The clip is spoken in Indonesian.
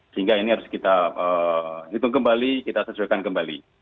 sehingga ini harus kita hitung kembali kita sesuaikan kembali